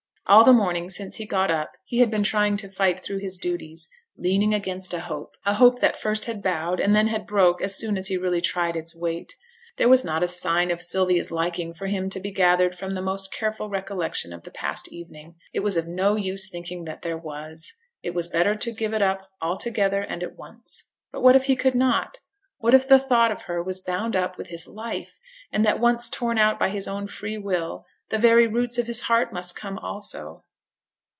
All the morning since he got up he had been trying to fight through his duties leaning against a hope a hope that first had bowed, and then had broke as soon as he really tried its weight. There was not a sign of Sylvia's liking for him to be gathered from the most careful recollection of the past evening. It was of no use thinking that there was. It was better to give it up altogether and at once. But what if he could not? What if the thought of her was bound up with his life; and that once torn out by his own free will, the very roots of his heart must come also?